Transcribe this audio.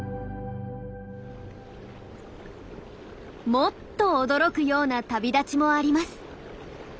もっと驚くような旅立ちもあります。